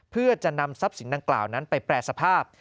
เพื่อจะนำทรัพย์สินดังกล่าวนั้นไปแปรสภาพ